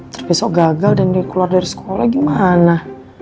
terpisa gagal dan dikeluar dari sekolah gimana